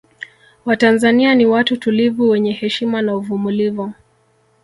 Watanzania ni watu tulivu wenye heshima na uvumulivu